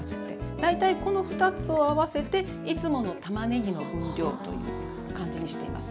大体この２つを合わせていつものたまねぎの分量という感じにしています今日は。